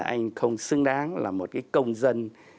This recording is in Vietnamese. anh không xứng đáng là một công dân